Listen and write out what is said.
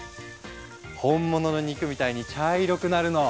本物の肉みたいに茶色くなるの。